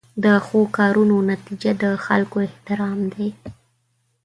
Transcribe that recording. د ښو کارونو نتیجه د خلکو احترام دی.